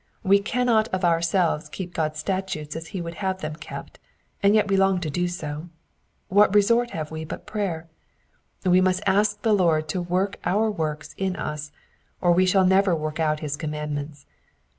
We cannot of ourselves keep Ood^s statutes as he would have them kept, and yet we long to do so : what resort have we but prayer ? We must ask the Lord to work our works in us. or we shall never work out his commandments.